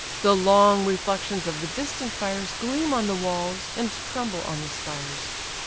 The long reflections of the distant fires Gleam on the walls, and tremble on the spires.